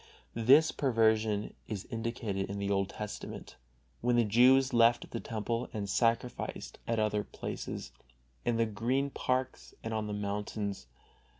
This perversion is indicated in the Old Testament, when the Jews left the Temple and sacrificed at other places, in the green parks and on the mountains.